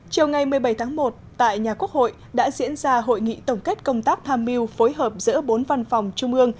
chiều ngày một mươi bảy tháng một tại nhà quốc hội đã diễn ra hội nghị tổng kết công tác tham mưu phối hợp giữa bốn văn phòng trung ương